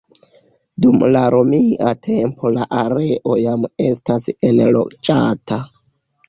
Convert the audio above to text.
Dum la Romia tempo la areo jam estas enloĝata.